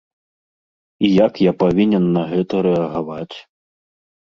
І як я павінен на гэта рэагаваць?